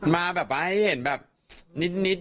มาแบบว่าให้เห็นแบบนิด